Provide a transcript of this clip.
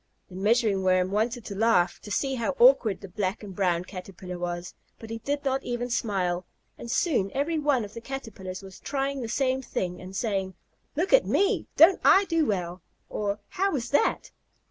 The Measuring Worm wanted to laugh to see how awkward the black and brown Caterpillar was, but he did not even smile, and soon every one of the Caterpillars was trying the same thing, and saying "Look at me. Don't I do well?" or, "How was that?"